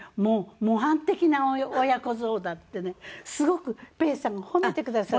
模範的な親子像だってねすごくペーさんが褒めてくださったの。